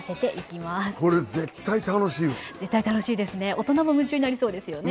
大人も夢中になりそうですよね。